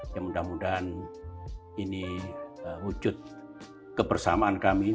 ya mudah mudahan ini wujud kebersamaan kami